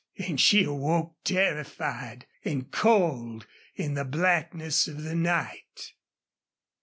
And she awoke terrified and cold in the blackness of the night.